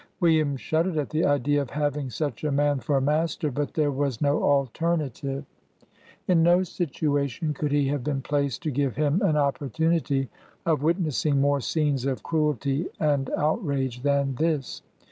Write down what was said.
William shuddered at the idea of having; such a man for a mas ter, but there was no alternative. In no situation could he have been placed to give 26 BIOGRAPHY OF him an opportunity of witnessing more scenes of cru elty and outrage than this.